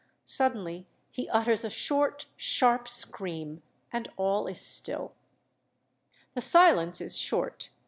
Suddenly he utters a short sharp scream, and all is still. "The silence is short.